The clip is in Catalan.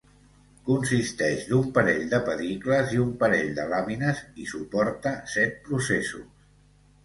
Consisteix d'un parell de pedicles i un parell de làmines i suporta set processos.